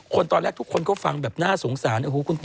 ตอนแรกทุกคนก็ฟังแบบน่าสงสาร